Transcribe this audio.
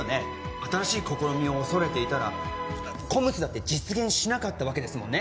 新しい試みを恐れていたらＣＯＭＳだって実現しなかったわけですもんね